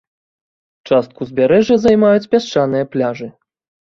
Частку ўзбярэжжа займаюць пясчаныя пляжы.